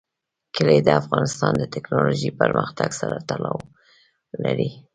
کلي د افغانستان د تکنالوژۍ پرمختګ سره تړاو لري.